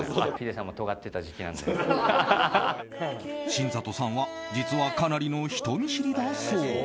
新里さんは実はかなりの人見知りだそう。